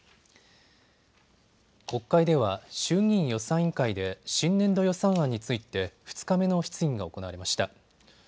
国会では衆議院予算委員会で新年度予算案について２日目の質疑が行われました。